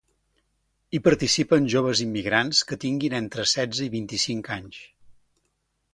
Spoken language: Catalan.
Hi participen joves immigrants que tinguin entre setze i vint-i-cinc anys.